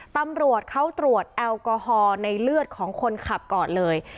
ตำรวจเขาตรวจแอลกอฮอล์ในเลือดของคนขับก่อนเลย